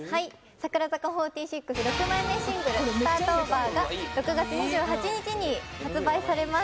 櫻坂４６、６枚目シングル『Ｓｔａｒｔｏｖｅｒ！』が６月２８日に発売されます。